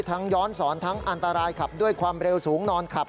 ย้อนสอนทั้งอันตรายขับด้วยความเร็วสูงนอนขับ